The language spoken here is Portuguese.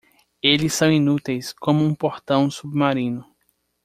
Eles são inúteis como um portão submarino.